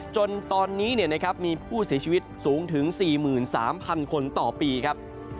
จนตอนนี้มีผู้เสียชีวิตสูงถึง๔๓๐๐คนต่อปีครับ